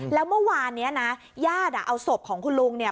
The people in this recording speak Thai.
แล้วเมื่อวานนี้นะญาติเอาศพของคุณลุงเนี่ย